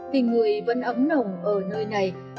thì người vẫn ấm nồng ở nơi này